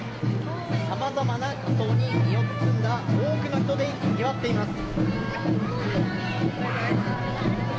様々な仮装に身を包んだ多くの人でにぎわっています。